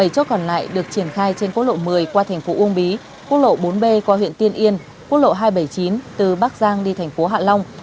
bảy chốt còn lại được triển khai trên quốc lộ một mươi qua thành phố uông bí quốc lộ bốn b qua huyện tiên yên quốc lộ hai trăm bảy mươi chín từ bắc giang đi thành phố hạ long